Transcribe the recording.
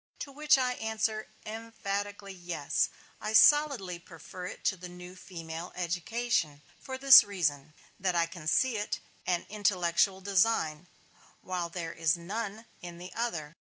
To which I answer, "Emphatically, yes." I solidly prefer it to the new female education, for this reason, that I can see in it an intellectual design, while there is none in the other.